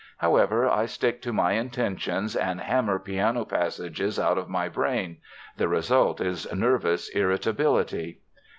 However, I stick to my intentions and hammer piano passages out of my brain; the result is nervous irritability."